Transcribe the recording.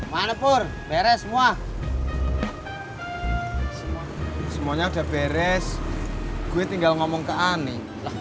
manapur beres semua semuanya udah beres gue tinggal ngomong ke ani